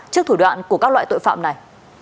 trước thủ đoạn của các loại tội phạm này